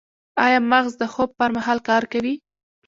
ایا مغز د خوب پر مهال کار کوي؟